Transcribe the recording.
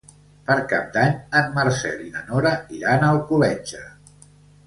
Per Cap d'Any en Marcel i na Nora iran a Alcoletge.